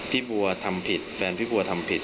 พี่บัวทำผิดแฟนพี่บัวทำผิด